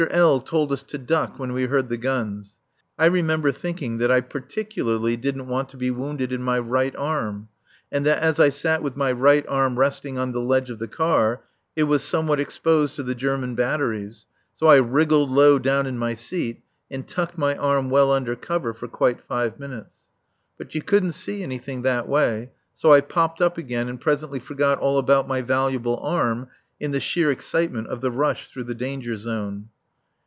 L. told us to duck when we heard the guns. I remember thinking that I particularly didn't want to be wounded in my right arm, and that as I sat with my right arm resting on the ledge of the car it was somewhat exposed to the German batteries, so I wriggled low down in my seat and tucked my arm well under cover for quite five minutes. But you couldn't see anything that way, so I popped up again and presently forgot all about my valuable arm in the sheer excitement of the rush through the danger zone.